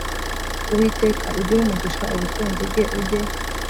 uwiteka ujye uha umugisha ubutunzi bwe ujye